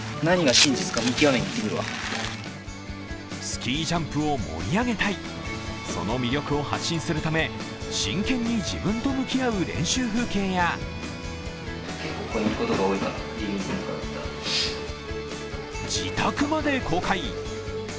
スキージャンプを盛り上げたい、その魅力を発信するため真剣に自分と向き合う練習風景や自宅まで公開。